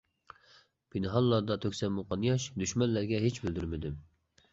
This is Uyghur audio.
پىنھانلاردا تۆكسەممۇ قان-ياش، دۈشمەنلەرگە ھېچ بىلدۈرمىدىم.